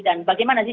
dan bagaimana sih